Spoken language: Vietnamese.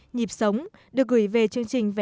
nhịp sống được gửi về chương trình vẻ đẹp